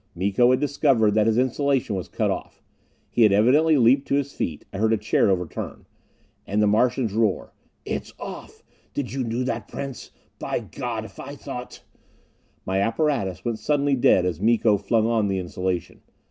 Miko had discovered that his insulation was cut off! He had evidently leaped to his feet; I heard a chair overturn. And the Martian's roar: "It's off! Did you do that, Prince? By God, if I thought " My apparatus went suddenly dead as Miko flung on his insulation.